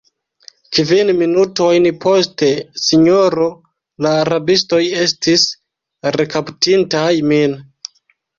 Kvin minutojn poste, sinjoro, la rabistoj estis rekaptintaj min.